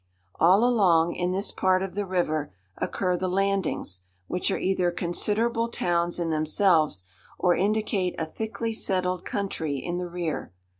All along, in this part of the river, occur the "landings," which are either considerable towns in themselves, or indicate a thickly settled country in the rear.